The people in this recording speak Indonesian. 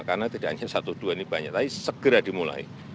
karena tidak hanya satu dua ini banyak tapi segera dimulai